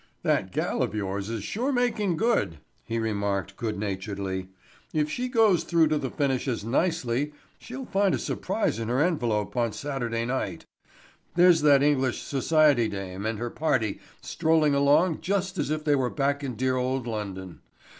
"That gal of yours is sure making good," he remarked good naturedly. "If she goes through to the finish as nicely she'll find a surprise in her envelope on Saturday night. There's that English society dame and her party strolling along just as if they were back in dear old London.